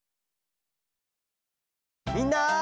みんな！